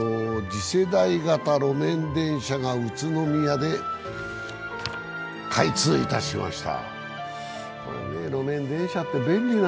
次世代型路面電車が宇都宮で開通しました。